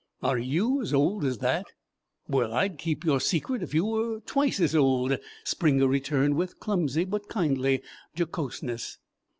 "Are you as old as that? Well, I'd keep your secret if you were twice as old," Springer returned, with clumsy but kindly jocoseness.